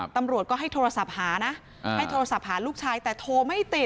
ตำรวจก็ให้โทรศัพท์หานะให้โทรศัพท์หาลูกชายแต่โทรไม่ติด